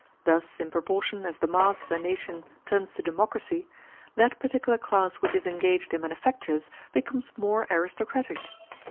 Thus, in proportion as the mass of the nation turns to democracy, that particular class which is engaged in manufactures becomes more aristocratic.